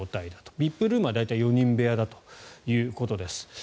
ＶＩＰルームは大体４人部屋だということです。